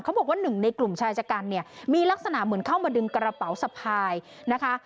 บอกว่าหนึ่งในกลุ่มชายชะกันเนี่ยมีลักษณะเหมือนเข้ามาดึงกระเป๋าสะพายนะคะ